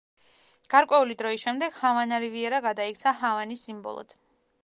გარკვეული დროის შემდეგ ჰავანა რივიერა გადაიქცა ჰავანის სიმბოლოდ.